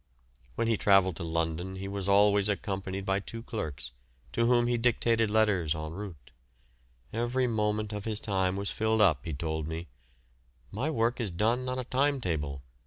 When he travelled to London he was always accompanied by two clerks, to whom he dictated letters en route. Every moment of his time was filled up, he told me: "My work is done on a time table.